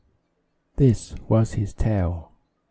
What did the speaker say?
This was his tale.